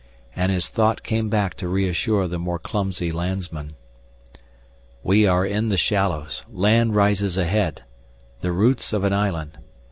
And his thought came back to reassure the more clumsy landsman. "We are in the shallows land rises ahead. The roots of an island.